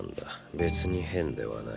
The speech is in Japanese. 別に変ではない。